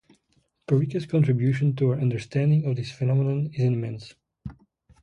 Perica's contribution to our understanding of this phenomenon is immense.